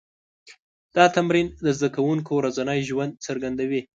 دا تمرین د زده کوونکو ورځنی ژوند څرګندوي.